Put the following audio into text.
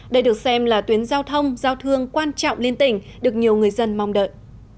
đây được xem là tuyến giao thông giao thương quan trọng liên tỉnh được nhiều người dân mong đợi